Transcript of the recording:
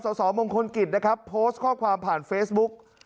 สสมงคลกิจโพสต์ข้อความผ่านเฟซบุ๊ค